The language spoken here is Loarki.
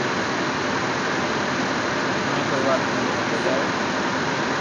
مني ڪوئي وات ھمج ۾ ڪوئي َآوي